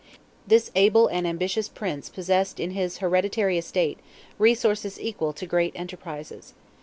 This able and ambitious Prince possessed in his hereditary estate resources equal to great enterprises.